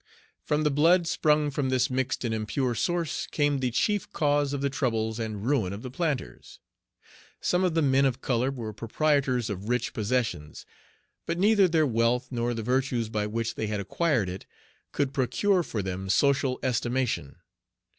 From the blood sprung from this mixed and impure source came the chief cause of the troubles and ruin of the planters. Some of the men of color were proprietors of rich possessions; but neither their wealth, nor the virtues by which they had acquired it, could procure for them social estimation.